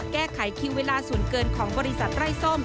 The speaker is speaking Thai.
แก้ไขคิวเวลาส่วนเกินของบริษัทไร้ส้ม